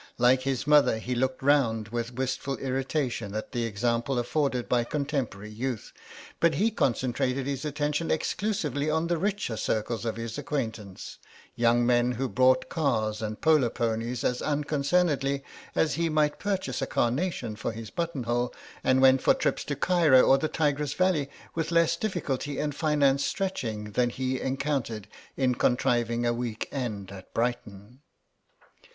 Like his mother he looked round with wistful irritation at the example afforded by contemporary youth, but he concentrated his attention exclusively on the richer circles of his acquaintance, young men who bought cars and polo ponies as unconcernedly as he might purchase a carnation for his buttonhole, and went for trips to Cairo or the Tigris valley with less difficulty and finance stretching than he encountered in contriving a week end at Brighton.